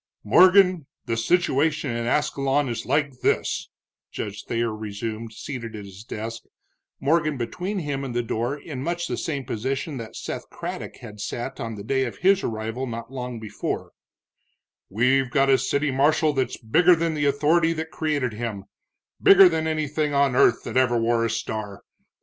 "Morgan, the situation in Ascalon is like this," Judge Thayer resumed, seated at his desk, Morgan between him and the door in much the same position that Seth Craddock had sat on the day of his arrival not long before; "we've got a city marshal that's bigger than the authority that created him, bigger than anything on earth that ever wore a star.